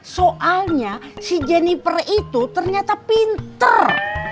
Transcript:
soalnya si jenniper itu ternyata pinter